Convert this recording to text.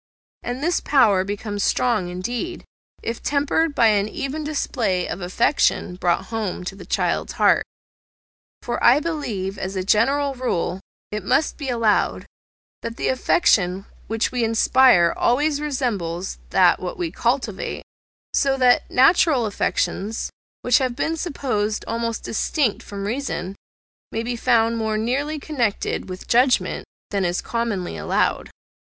And this power becomes strong indeed, if tempered by an even display of affection brought home to the child's heart. For, I believe, as a general rule, it must be allowed, that the affection which we inspire always resembles that we cultivate; so that natural affections, which have been supposed almost distinct from reason, may be found more nearly connected with judgment than is commonly allowed.